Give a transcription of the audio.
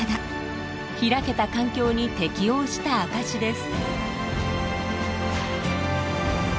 開けた環境に適応した証しです。